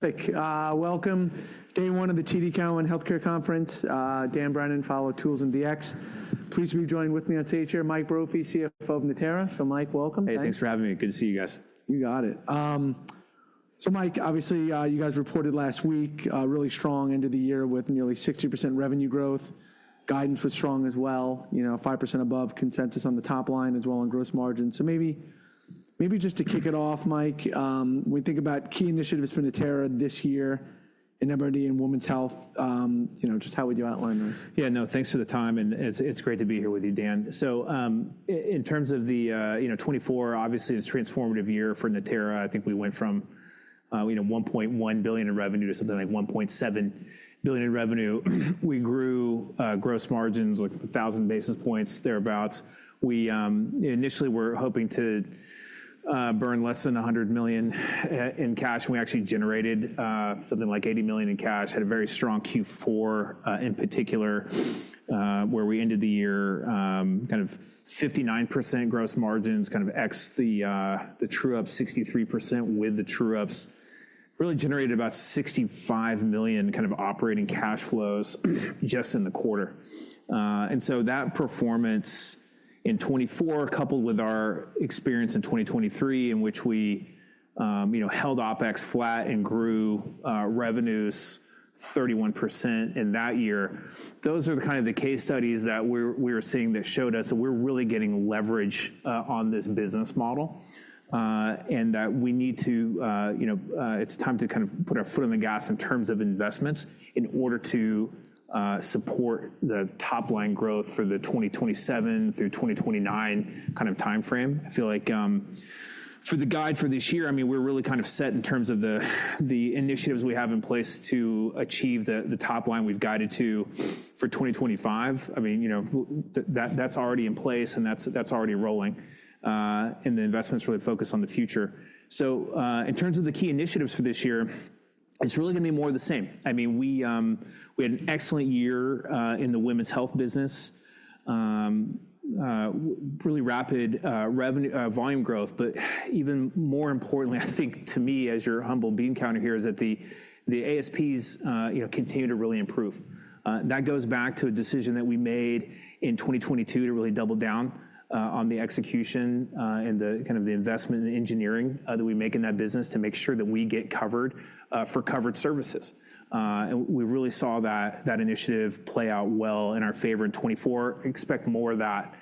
Thank you. Welcome. Day one of the TD Cowen Healthcare Conference. Dan Brennan, Head of Tools and DX. Pleased to be joined with me on stage here, Mike Brophy, CFO of Natera. So Mike, welcome. Hey, thanks for having me. Good to see you guys. You got it. So Mike, obviously you guys reported last week really strong into the year with nearly 60% revenue growth. Guidance was strong as well, you know, 5% above consensus on the top line as well on gross margins. So maybe just to kick it off, Mike, when we think about key initiatives for Natera this year in MRD and women's health, you know, just how would you outline those? Yeah, no, thanks for the time. And it's great to be here with you, Dan. So in terms of the 2024, obviously it's a transformative year for Natera. I think we went from, you know, $1.1 billion in revenue to something like $1.7 billion in revenue. We grew gross margins like 1,000 basis points thereabouts. We initially were hoping to burn less than $100 million in cash. We actually generated something like $80 million in cash. Had a very strong Q4 in particular, where we ended the year kind of 59% gross margins, kind of ex the true ups 63% with the true ups. Really generated about $65 million kind of operating cash flows just in the quarter. And so that performance in 2024, coupled with our experience in 2023, in which we held OpEx flat and grew revenues 31% in that year, those are the kind of the case studies that we were seeing that showed us that we're really getting leverage on this business model and that we need to, you know, it's time to kind of put our foot on the gas in terms of investments in order to support the top line growth for the 2027 through 2029 kind of timeframe. I feel like for the guide for this year, I mean, we're really kind of set in terms of the initiatives we have in place to achieve the top line we've guided to for 2025. I mean, you know, that's already in place and that's already rolling. And the investment's really focused on the future. So in terms of the key initiatives for this year, it's really going to be more of the same. I mean, we had an excellent year in the women's health business, really rapid volume growth. But even more importantly, I think to me, as your humble bean counter here, is that the ASPs continue to really improve. That goes back to a decision that we made in 2022 to really double down on the execution and the kind of the investment and engineering that we make in that business to make sure that we get covered for covered services. And we really saw that initiative play out well in our favor in 2024. Expect more of that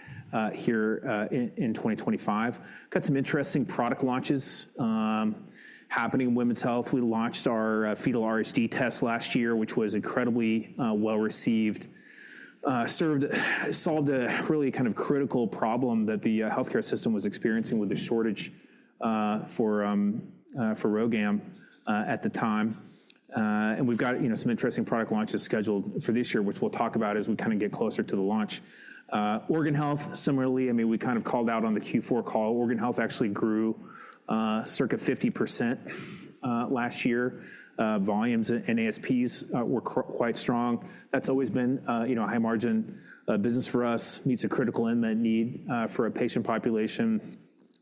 here in 2025. Got some interesting product launches happening in women's health. We launched our Fetal RhD test last year, which was incredibly well received, served, solved a really kind of critical problem that the healthcare system was experiencing with the shortage for RhoGAM at the time. We've got, you know, some interesting product launches scheduled for this year, which we'll talk about as we kind of get closer to the launch. Organ health, similarly, I mean, we kind of called out on the Q4 call. Organ health actually grew circa 50% last year. Volumes and ASPs were quite strong. That's always been a high margin business for us. Meets a critical unmet need for a patient population.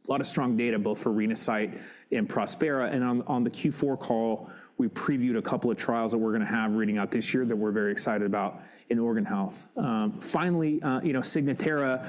A lot of strong data both for Renasight and Prospera. On the Q4 call, we previewed a couple of trials that we're going to have reading out this year that we're very excited about in organ health. Finally, you know, Signatera,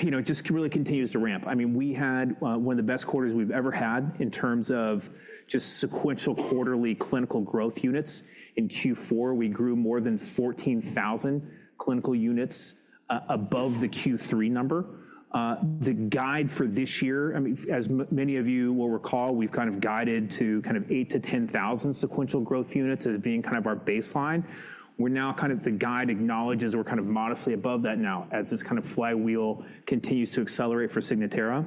you know, just really continues to ramp. I mean, we had one of the best quarters we've ever had in terms of just sequential quarterly clinical growth units. In Q4, we grew more than 14,000 clinical units above the Q3 number. The guide for this year, I mean, as many of you will recall, we've kind of guided to kind of 8,000-10,000 sequential growth units as being kind of our baseline. We're now kind of the guide acknowledges we're kind of modestly above that now as this kind of flywheel continues to accelerate for Signatera.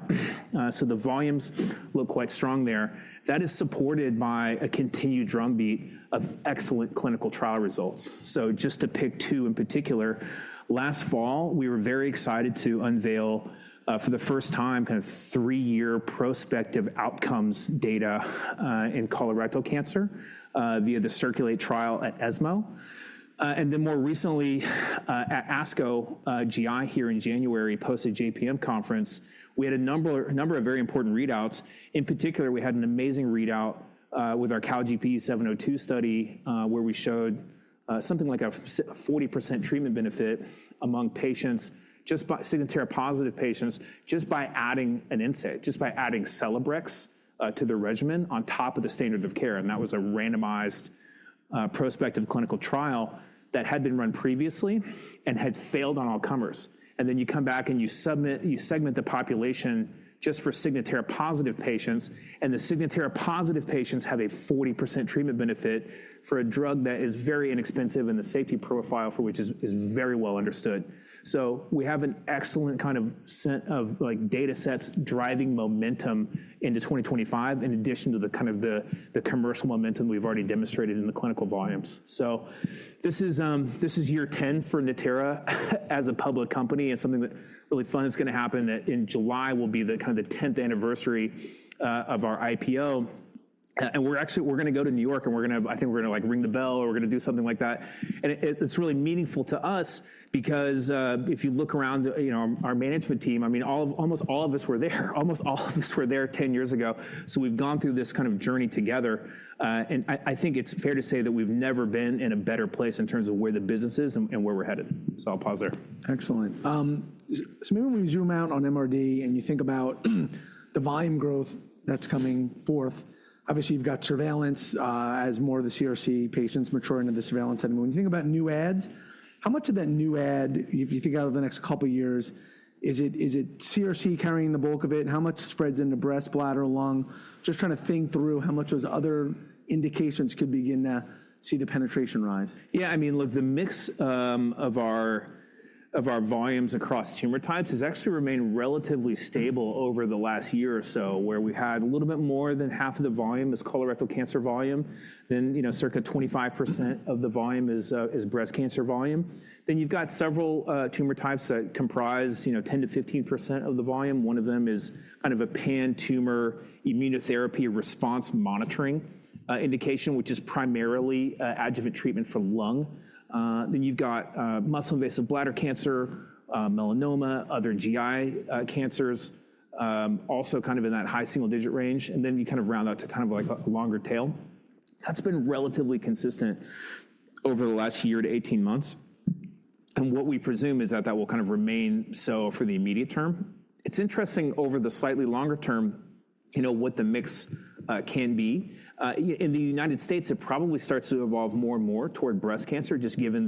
So the volumes look quite strong there. That is supported by a continued drumbeat of excellent clinical trial results. So just to pick two in particular, last fall, we were very excited to unveil for the first time kind of three-year prospective outcomes data in colorectal cancer via the CIRCULATE trial at ESMO. And then more recently at ASCO GI here in January post-JPM conference. We had a number of very important readouts. In particular, we had an amazing readout with our CALGB 80702 study where we showed something like a 40% treatment benefit among patients, just by Signatera-positive patients, just by adding an NSAID, just by adding Celebrex to their regimen on top of the standard of care. And that was a randomized prospective clinical trial that had been run previously and had failed on all comers. And then you come back and you segment the population just for Signatera-positive patients. The Signatera positive patients have a 40% treatment benefit for a drug that is very inexpensive and the safety profile for which is very well understood. We have an excellent kind of set of data sets driving momentum into 2025 in addition to the kind of the commercial momentum we've already demonstrated in the clinical volumes. This is year 10 for Natera as a public company and something that really fun is going to happen in July will be the kind of the 10th anniversary of our IPO. We're actually, we're going to go to New York and we're going to, I think we're going to like ring the bell or we're going to do something like that. It's really meaningful to us because if you look around, you know, our management team, I mean, almost all of us were there, almost all of us were there 10 years ago. We've gone through this kind of journey together. I think it's fair to say that we've never been in a better place in terms of where the business is and where we're headed. I'll pause there. Excellent. So maybe when we zoom out on MRD and you think about the volume growth that's coming forth, obviously you've got surveillance as more of the CRC patients mature into the surveillance. And when you think about new adds, how much of that new add, if you think over the next couple of years, is it CRC carrying the bulk of it? How much spreads into breast, bladder, lung? Just trying to think through how much those other indications could begin to see the penetration rise. Yeah, I mean, look, the mix of our volumes across tumor types has actually remained relatively stable over the last year or so, where we had a little bit more than half of the volume is colorectal cancer volume. Then, you know, circa 25% of the volume is breast cancer volume. Then you've got several tumor types that comprise, you know, 10%-15% of the volume. One of them is kind of a pan-tumor immunotherapy response monitoring indication, which is primarily adjuvant treatment for lung. Then you've got muscle invasive bladder cancer, melanoma, other GI cancers, also kind of in that high single digit range. And then you kind of round out to kind of like a longer tail. That's been relatively consistent over the last year to 18 months. And what we presume is that that will kind of remain so for the immediate term. It's interesting over the slightly longer term, you know, what the mix can be. In the United States, it probably starts to evolve more and more toward breast cancer, just given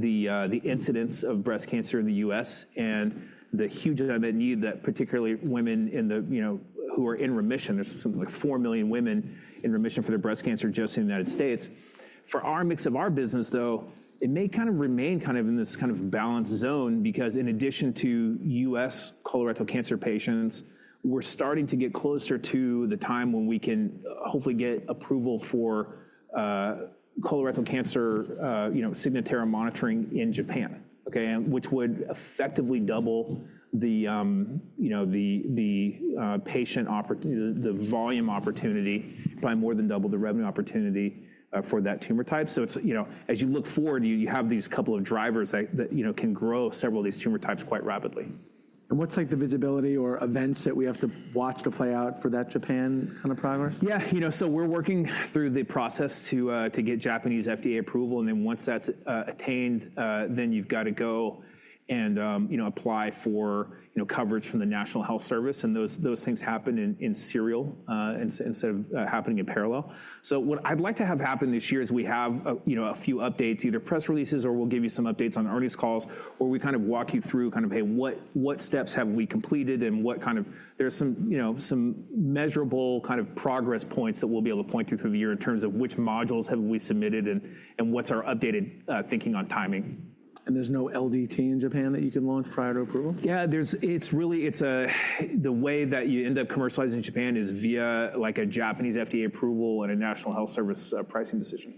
the incidence of breast cancer in the U.S. and the huge amount of need that particularly women in the, you know, who are in remission, there's something like 4 million women in remission for their breast cancer just in the United States. For our mix of our business though, it may kind of remain kind of in this kind of balance zone because in addition to U.S. colorectal cancer patients, we're starting to get closer to the time when we can hopefully get approval for colorectal cancer, you know, Signatera monitoring in Japan, okay, which would effectively double the, you know, the patient opportunity, the volume opportunity by more than double the revenue opportunity for that tumor type. It's, you know, as you look forward, you have these couple of drivers that, you know, can grow several of these tumor types quite rapidly. What's like the visibility or events that we have to watch to play out for that Japan kind of progress? Yeah, you know, so we're working through the process to get Japanese FDA approval. And then once that's attained, then you've got to go and, you know, apply for, you know, coverage from the National Health Service. And those things happen in serial instead of happening in parallel. So what I'd like to have happen this year is we have, you know, a few updates, either press releases or we'll give you some updates on earnings calls where we kind of walk you through kind of, hey, what steps have we completed and what kind of, there's some, you know, some measurable kind of progress points that we'll be able to point to through the year in terms of which modules have we submitted and what's our updated thinking on timing. There's no LDT in Japan that you can launch prior to approval? Yeah, it's really the way that you end up commercializing in Japan is via like a Japanese FDA approval and a National Health Service pricing decision.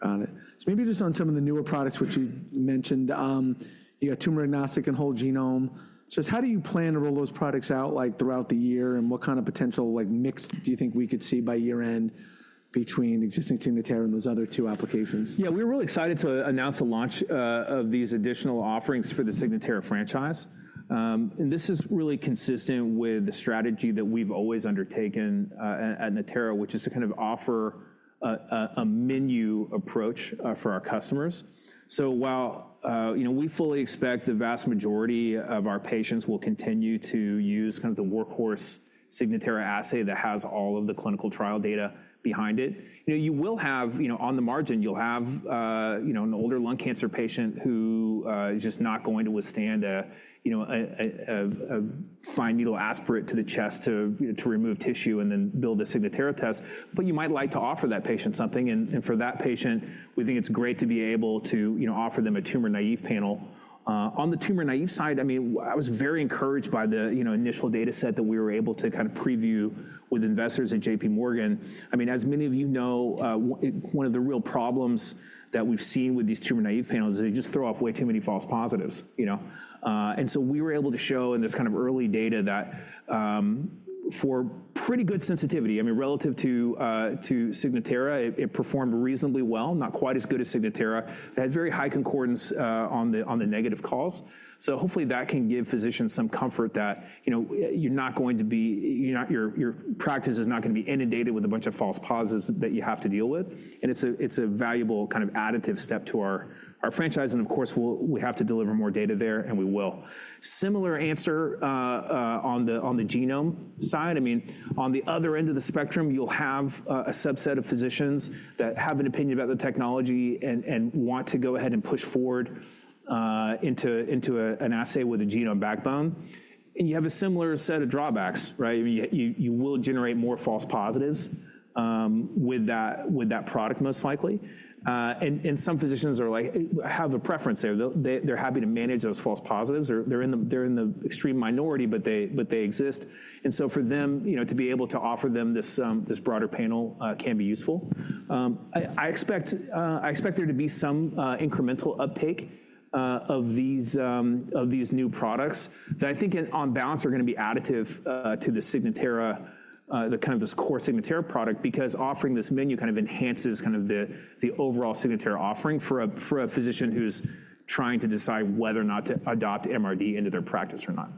Got it. So maybe just on some of the newer products, which you mentioned, you got tumor agnostic and whole genome. So how do you plan to roll those products out like throughout the year and what kind of potential like mix do you think we could see by year end between existing Signatera and those other two applications? Yeah, we're really excited to announce the launch of these additional offerings for the Signatera franchise. And this is really consistent with the strategy that we've always undertaken at Natera, which is to kind of offer a menu approach for our customers. So while, you know, we fully expect the vast majority of our patients will continue to use kind of the workhorse Signatera assay that has all of the clinical trial data behind it. You know, you will have, you know, on the margin, you'll have, you know, an older lung cancer patient who is just not going to withstand a, you know, a fine needle aspirate to the chest to remove tissue and then build a Signatera test. But you might like to offer that patient something. And for that patient, we think it's great to be able to, you know, offer them a tumor naive panel. On the tumor naive side, I mean, I was very encouraged by the, you know, initial data set that we were able to kind of preview with investors at J.P. Morgan. I mean, as many of you know, one of the real problems that we've seen with these tumor naive panels is they just throw off way too many false positives, you know, and so we were able to show in this kind of early data that for pretty good sensitivity, I mean, relative to Signatera, it performed reasonably well, not quite as good as Signatera. It had very high concordance on the negative calls, so hopefully that can give physicians some comfort that, you know, you're not going to be, your practice is not going to be inundated with a bunch of false positives that you have to deal with. It's a valuable kind of additive step to our franchise. Of course, we have to deliver more data there and we will. Similar answer on the genome side. I mean, on the other end of the spectrum, you'll have a subset of physicians that have an opinion about the technology and want to go ahead and push forward into an assay with a genome backbone. You have a similar set of drawbacks, right? I mean, you will generate more false positives with that product most likely. Some physicians are like, have a preference there. They're happy to manage those false positives. They're in the extreme minority, but they exist. For them, you know, to be able to offer them this broader panel can be useful. I expect there to be some incremental uptake of these new products that I think on balance are going to be additive to the Signatera, the kind of this core Signatera product because offering this menu kind of enhances kind of the overall Signatera offering for a physician who's trying to decide whether or not to adopt MRD into their practice or not.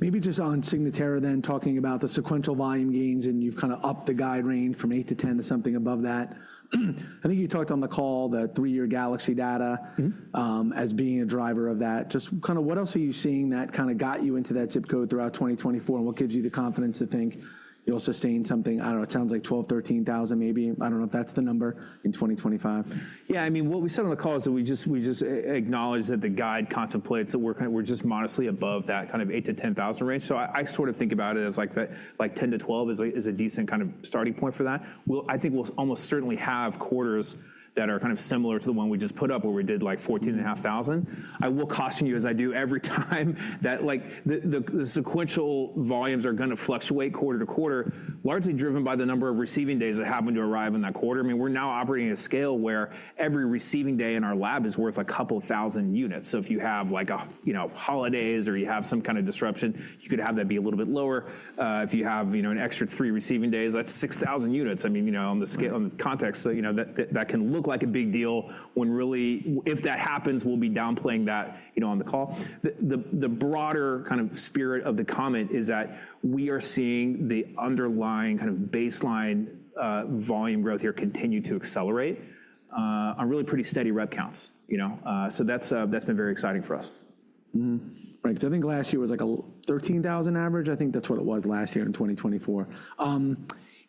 Maybe just on Signatera then, talking about the sequential volume gains and you've kind of upped the guide range from 8-10 to something above that. I think you talked on the call that three-year GALAXY data as being a driver of that. Just kind of what else are you seeing that kind of got you into that zip code throughout 2024 and what gives you the confidence to think you'll sustain something, I don't know, it sounds like 12,000, 13,000 maybe. I don't know if that's the number in 2025. Yeah, I mean, what we said on the call is that we just acknowledge that the guide contemplates that we're just modestly above that kind of 8-10,000 range. So I sort of think about it as like 10-12 is a decent kind of starting point for that. I think we'll almost certainly have quarters that are kind of similar to the one we just put up where we did like 14,500. I will caution you as I do every time that like the sequential volumes are going to fluctuate quarter to quarter, largely driven by the number of receiving days that happen to arrive in that quarter. I mean, we're now operating at a scale where every receiving day in our lab is worth a couple of thousand units. So if you have, like, you know, holidays or you have some kind of disruption, you could have that be a little bit lower. If you have, you know, an extra three receiving days, that's 6,000 units. I mean, you know, in the context, you know, that can look like a big deal when really if that happens, we'll be downplaying that, you know, on the call. The broader kind of spirit of the comment is that we are seeing the underlying kind of baseline volume growth here continue to accelerate on really pretty steady rep counts, you know. So that's been very exciting for us. Right. Because I think last year was like a 13,000 average. I think that's what it was last year in 2024.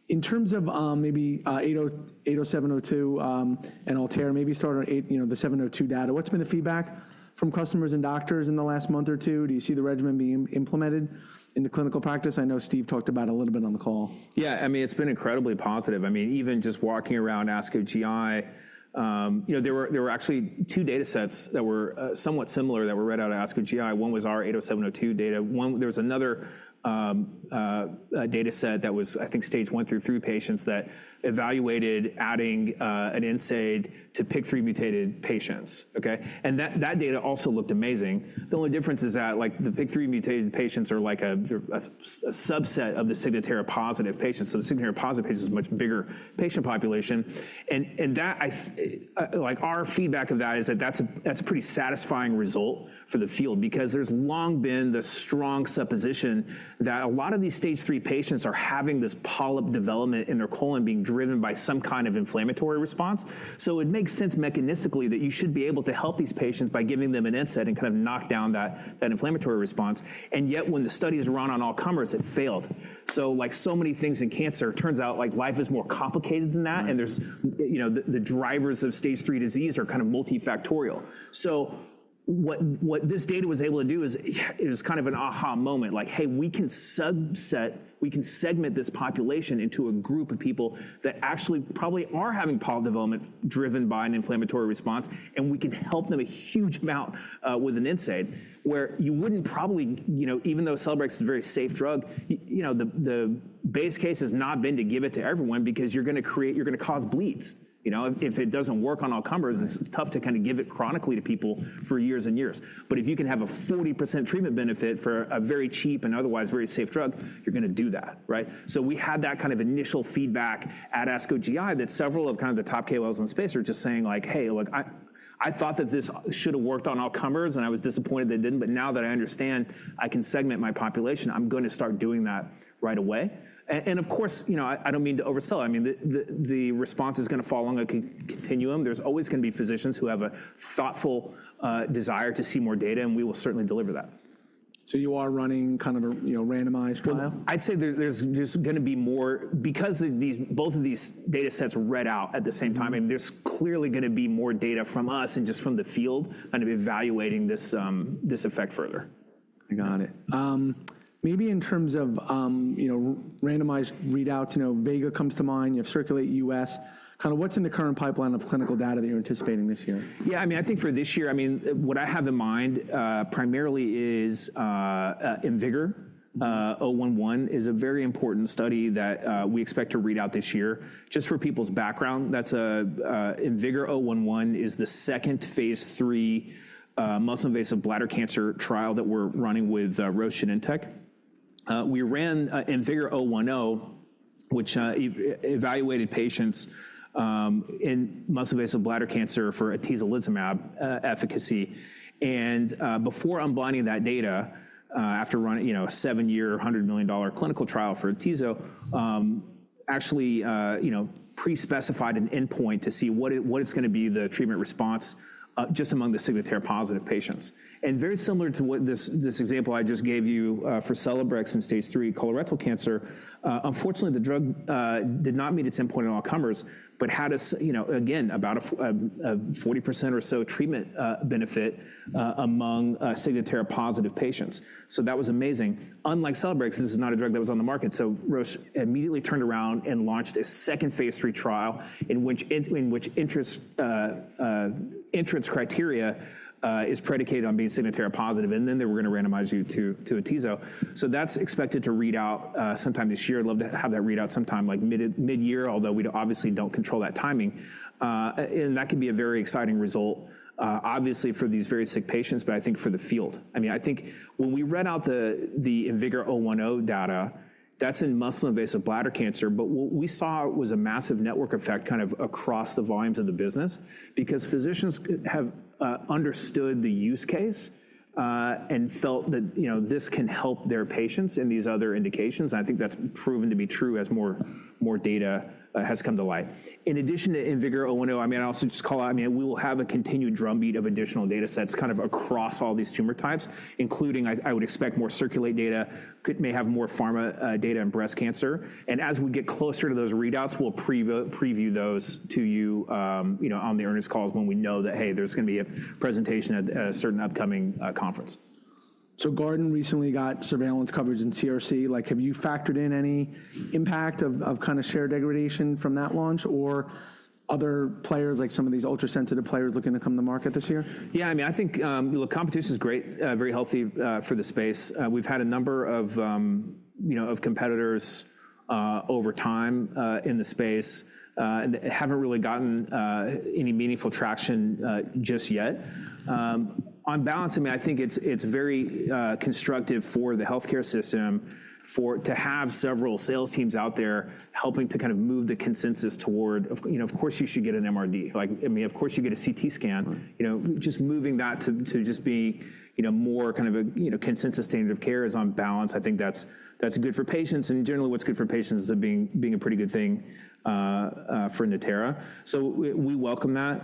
In terms of maybe 80702 and ALTAIR, maybe start on, you know, the 702 data. What's been the feedback from customers and doctors in the last month or two? Do you see the regimen being implemented in the clinical practice? I know Steve talked about it a little bit on the call. Yeah, I mean, it's been incredibly positive. I mean, even just walking around ASCO GI, you know, there were actually two data sets that were somewhat similar that were read out of ASCO GI. One was our 80702 data. There was another data set that was, I think, stage one through three patients that evaluated adding an NSAID to PIK3CA mutated patients, okay? And that data also looked amazing. The only difference is that like the PIK3CA mutated patients are like a subset of the Signatera positive patients. So the Signatera positive patients is a much bigger patient population. And that, like our feedback of that is that that's a pretty satisfying result for the field because there's long been the strong supposition that a lot of these stage three patients are having this polyp development in their colon being driven by some kind of inflammatory response. So it makes sense mechanistically that you should be able to help these patients by giving them an NSAID and kind of knock down that inflammatory response. And yet when the studies run on all comers, it failed. So like so many things in cancer, it turns out like life is more complicated than that. And there's, you know, the drivers of stage three disease are kind of multifactorial. So what this data was able to do is it was kind of an aha moment. Like, hey, we can subset, we can segment this population into a group of people that actually probably are having polyp development driven by an inflammatory response. And we can help them a huge amount with an NSAID where you wouldn't probably, you know, even though Celebrex is a very safe drug, you know, the base case has not been to give it to everyone because you're going to create, you're going to cause bleeds, you know. If it doesn't work on all comers, it's tough to kind of give it chronically to people for years and years. But if you can have a 40% treatment benefit for a very cheap and otherwise very safe drug, you're going to do that, right? So we had that kind of initial feedback at ASCO GI that several of kind of the top KOLs in the space are just saying like, hey, look, I thought that this should have worked on all comers and I was disappointed that it didn't. But now that I understand, I can segment my population. I'm going to start doing that right away. And of course, you know, I don't mean to oversell. I mean, the response is going to fall on a continuum. There's always going to be physicians who have a thoughtful desire to see more data. And we will certainly deliver that. So you are running kind of a, you know, randomized trial? I'd say there's going to be more because both of these data sets are read out at the same time. I mean, there's clearly going to be more data from us and just from the field kind of evaluating this effect further. I got it. Maybe in terms of, you know, randomized readouts, you know, VEGA comes to mind, you have CIRCULATE-U.S., Kind of what's in the current pipeline of clinical data that you're anticipating this year? Yeah, I mean, I think for this year, I mean, what I have in mind primarily is IMvigor011, a very important study that we expect to read out this year. Just for people's background, that's IMvigor011, the second phase three muscle-invasive bladder cancer trial that we're running with Roche and Genentech. We ran IMvigor010, which evaluated patients in muscle-invasive bladder cancer for atezolizumab efficacy. And before unblinding that data, after running, you know, a seven-year $100 million clinical trial for atezo, actually, you know, pre-specified an endpoint to see what it's going to be the treatment response just among the Signatera positive patients. Very similar to what this example I just gave you for Celebrex in stage three colorectal cancer, unfortunately, the drug did not meet its endpoint in all comers, but had a, you know, again, about a 40% or so treatment benefit among Signatera positive patients. That was amazing. Unlike Celebrex, this is not a drug that was on the market. Roche immediately turned around and launched a second phase three trial in which entrance criteria is predicated on being Signatera positive. They were going to randomize you to atezo. That's expected to read out sometime this year. I'd love to have that read out sometime like mid-year, although we obviously don't control that timing. That could be a very exciting result, obviously, for these very sick patients, but I think for the field. I mean, I think when we read out the IMvigor010 data, that's in muscle invasive bladder cancer, but what we saw was a massive network effect kind of across the volumes of the business because physicians have understood the use case and felt that, you know, this can help their patients in these other indications. And I think that's proven to be true as more data has come to light. In addition to IMvigor010, I mean, I also just call out, I mean, we will have a continued drumbeat of additional data sets kind of across all these tumor types, including, I would expect more CIRCULATE data, may have more pharma data in breast cancer. And as we get closer to those readouts, we'll preview those to you, you know, on the earnings calls when we know that, hey, there's going to be a presentation at a certain upcoming conference. Guardant recently got surveillance coverage in CRC. Like, have you factored in any impact of kind of shared degradation from that launch or other players like some of these ultra-sensitive players looking to come to market this year? Yeah, I mean, I think, look, competition is great, very healthy for the space. We've had a number of, you know, of competitors over time in the space and haven't really gotten any meaningful traction just yet. On balance, I mean, I think it's very constructive for the healthcare system to have several sales teams out there helping to kind of move the consensus toward, you know, of course, you should get an MRD. Like, I mean, of course, you get a CT scan, you know, just moving that to just be, you know, more kind of a, you know, consensus standard of care is on balance. I think that's good for patients, and generally, what's good for patients is being a pretty good thing for Natera, so we welcome that.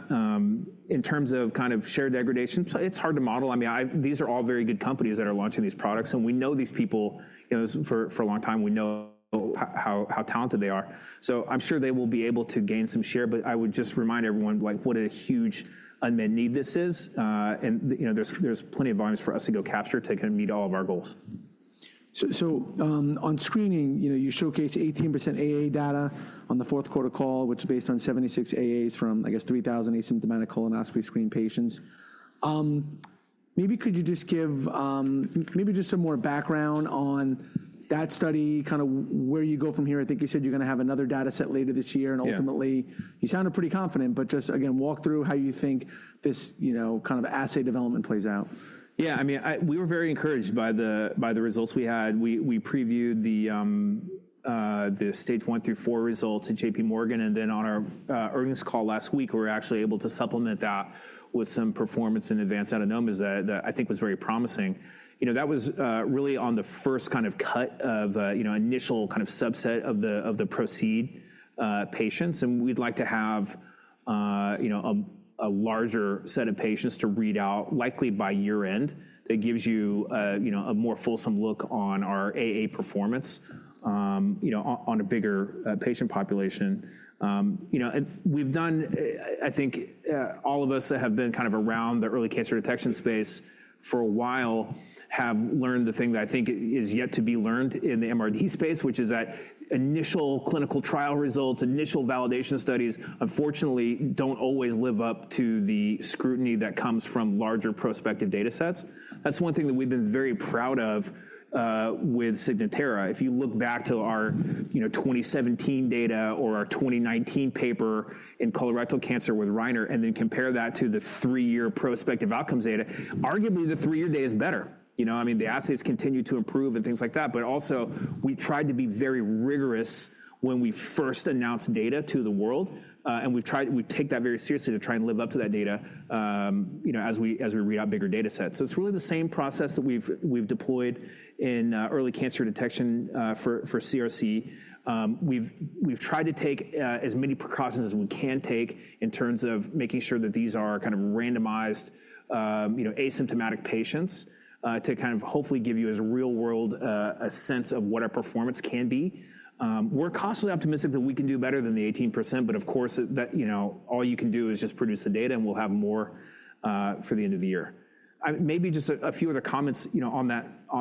In terms of kind of shared degradation, it's hard to model. I mean, these are all very good companies that are launching these products, and we know these people, you know, for a long time, we know how talented they are, so I'm sure they will be able to gain some share, but I would just remind everyone, like, what a huge unmet need this is, and, you know, there's plenty of volumes for us to go capture to kind of meet all of our goals. On screening, you know, you showcased 18% AA data on the fourth quarter call, which is based on 76 AAs from, I guess, 3,000 asymptomatic colonoscopy screen patients. Maybe could you just give maybe just some more background on that study, kind of where you go from here? I think you said you're going to have another data set later this year. Ultimately, you sounded pretty confident, but just again, walk through how you think this, you know, kind of assay development plays out. Yeah, I mean, we were very encouraged by the results we had. We previewed the stage one through four results at J.P. Morgan, and then on our earnings call last week, we were actually able to supplement that with some performance and advanced adenomas that I think was very promising. You know, that was really on the first kind of cut of, you know, initial kind of subset of the processed patients, and we'd like to have, you know, a larger set of patients to read out likely by year-end that gives you, you know, a more fulsome look on our AA performance, you know, on a bigger patient population. You know, and we've done, I think all of us that have been kind of around the early cancer detection space for a while have learned the thing that I think is yet to be learned in the MRD space, which is that initial clinical trial results, initial validation studies, unfortunately, don't always live up to the scrutiny that comes from larger prospective data sets. That's one thing that we've been very proud of with Signatera. If you look back to our, you know, 2017 data or our 2019 paper in colorectal cancer with Reinert and then compare that to the three-year prospective outcomes data, arguably the three-year data is better. You know, I mean, the assays continue to improve and things like that. But also, we tried to be very rigorous when we first announced data to the world. We've tried, we take that very seriously to try and live up to that data, you know, as we read out bigger data sets. It's really the same process that we've deployed in early cancer detection for CRC. We've tried to take as many precautions as we can take in terms of making sure that these are kind of randomized, you know, asymptomatic patients to kind of hopefully give you as a real-world a sense of what our performance can be. We're constantly optimistic that we can do better than the 18%. Of course, that, you know, all you can do is just produce the data and we'll have more for the end of the year. Maybe just a few other comments, you know, on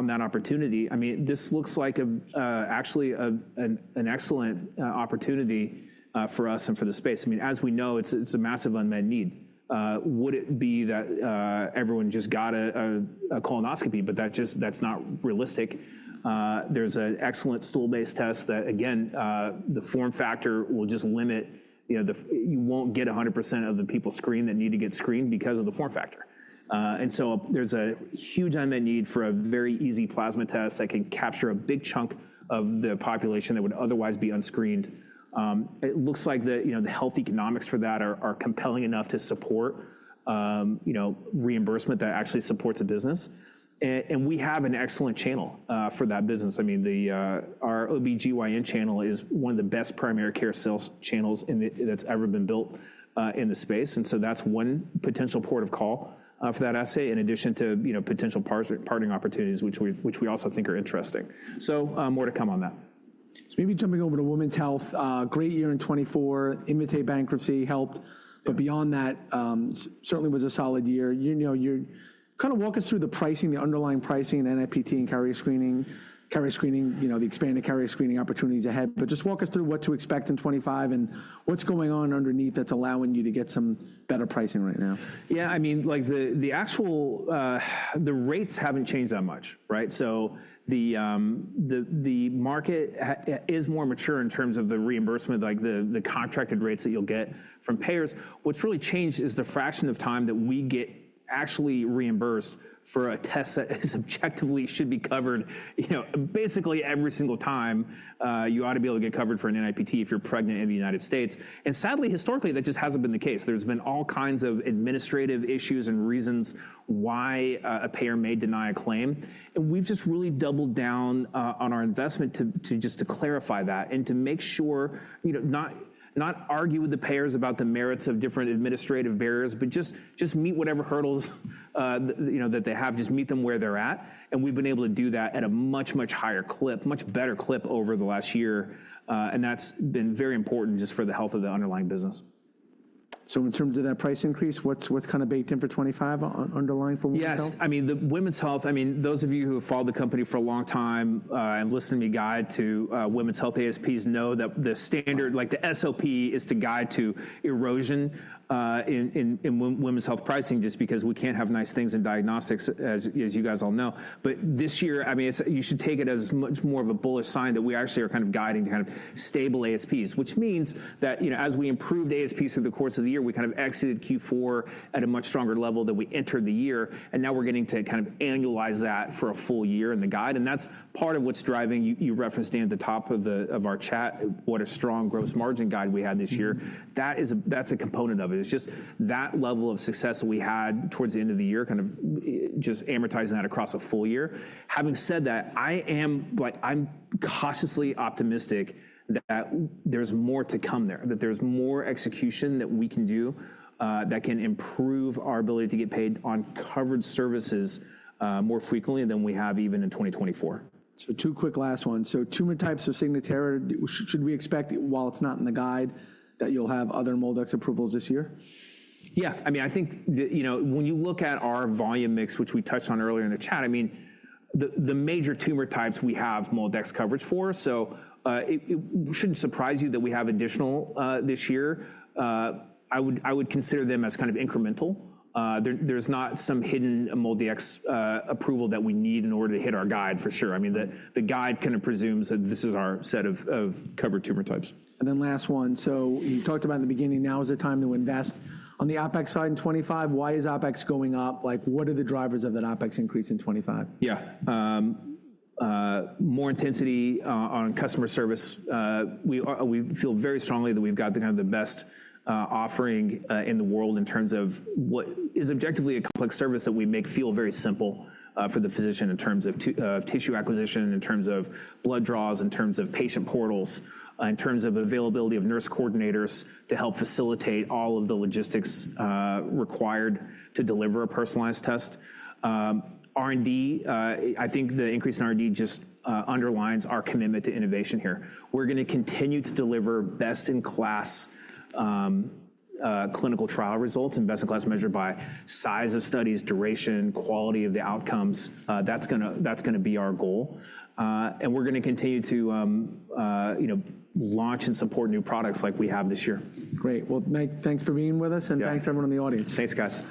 that opportunity. I mean, this looks like actually an excellent opportunity for us and for the space. I mean, as we know, it's a massive unmet need. Would it be that everyone just got a colonoscopy? But that's not realistic. There's an excellent stool-based test that, again, the form factor will just limit, you know, you won't get 100% of the people screened that need to get screened because of the form factor. And so there's a huge unmet need for a very easy plasma test that can capture a big chunk of the population that would otherwise be unscreened. It looks like the, you know, the health economics for that are compelling enough to support, you know, reimbursement that actually supports a business. And we have an excellent channel for that business. I mean, our OB-GYN channel is one of the best primary care sales channels that's ever been built in the space. And so that's one potential port of call for that assay in addition to, you know, potential partnering opportunities, which we also think are interesting. So more to come on that. So maybe jumping over to Women's Health, great year in 2024, Invitae bankruptcy helped. But beyond that, certainly was a solid year. You know, you kind of walk us through the pricing, the underlying pricing in NIPT and carrier screening, you know, the expanded carrier screening opportunities ahead. But just walk us through what to expect in 2025 and what's going on underneath that's allowing you to get some better pricing right now. Yeah, I mean, like the actual, the rates haven't changed that much, right? So the market is more mature in terms of the reimbursement, like the contracted rates that you'll get from payers. What's really changed is the fraction of time that we get actually reimbursed for a test that subjectively should be covered, you know, basically every single time. You ought to be able to get covered for an NIPT if you're pregnant in the United States. And sadly, historically, that just hasn't been the case. There's been all kinds of administrative issues and reasons why a payer may deny a claim. And we've just really doubled down on our investment to just clarify that and to make sure, you know, not argue with the payers about the merits of different administrative barriers, but just meet whatever hurdles, you know, that they have, just meet them where they're at. We've been able to do that at a much, much higher clip, much better clip over the last year. That's been very important just for the health of the underlying business. So in terms of that price increase, what's kind of baked in for 2025 on underlying for Women's Health? Yes, I mean, the Women's Health, I mean, those of you who have followed the company for a long time and listen to me guide to Women's Health ASPs know that the standard, like the SOP is to guide to erosion in Women's Health pricing just because we can't have nice things in diagnostics, as you guys all know. But this year, I mean, you should take it as much more of a bullish sign that we actually are kind of guiding to kind of stable ASPs, which means that, you know, as we improved ASPs through the course of the year, we kind of exited Q4 at a much stronger level that we entered the year. And now we're getting to kind of annualize that for a full year in the guide. That's part of what's driving, you referenced at the top of our chat, what a strong gross margin guide we had this year. That's a component of it. It's just that level of success that we had towards the end of the year, kind of just amortizing that across a full year. Having said that, I am, like, I'm cautiously optimistic that there's more to come there, that there's more execution that we can do that can improve our ability to get paid on covered services more frequently than we have even in 2024. So, two quick last ones. So, tumor types of Signatera, should we expect, while it's not in the guide, that you'll have other MolDX approvals this year? Yeah, I mean, I think, you know, when you look at our volume mix, which we touched on earlier in the chat, I mean, the major tumor types we have MolDX coverage for. So it shouldn't surprise you that we have additional this year. I would consider them as kind of incremental. There's not some hidden MolDX approval that we need in order to hit our guide for sure. I mean, the guide kind of presumes that this is our set of covered tumor types. And then, last one. So you talked about in the beginning, now is the time to invest on the OpEx side in 2025. Why is OpEx going up? Like, what are the drivers of that OpEx increase in 2025? Yeah, more intensity on customer service. We feel very strongly that we've got to have the best offering in the world in terms of what is objectively a complex service that we make feel very simple for the physician in terms of tissue acquisition, in terms of blood draws, in terms of patient portals, in terms of availability of nurse coordinators to help facilitate all of the logistics required to deliver a personalized test. R&D, I think the increase in R&D just underlines our commitment to innovation here. We're going to continue to deliver best-in-class clinical trial results, and best-in-class measured by size of studies, duration, quality of the outcomes. That's going to be our goal. And we're going to continue to, you know, launch and support new products like we have this year. Great. Well, Mike, thanks for being with us and thanks to everyone in the audience. Thanks, guys.